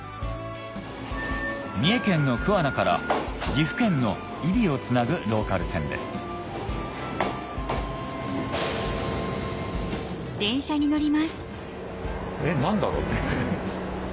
三重県の桑名から岐阜県の揖斐をつなぐローカル線ですえっ何だろう。